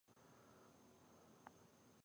هولمز وویل چې کیسه اوس جدي شوه.